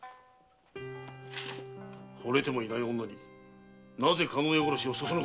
惚れてもいない女になぜ加納屋殺しをそそのかした？